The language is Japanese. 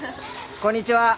こんにちは。